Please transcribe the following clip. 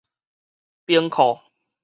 兵庫